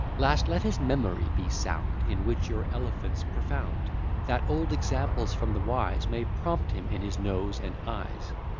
Last, let his memory be sound, In which your elephant's profound; That old examples from the wise May prompt him in his noes and ayes.